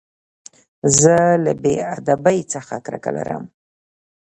زه له بې ادبۍ څخه کرکه لرم.